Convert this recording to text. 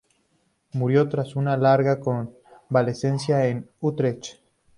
Murió tras una larga convalecencia en Utrecht.